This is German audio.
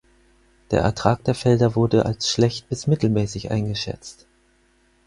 Der Ertrag der Felder wurde als schlecht bis mittelmäßig eingeschätzt.